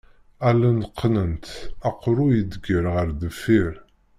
Allen qqnent aqerru iḍegger ɣer deffir.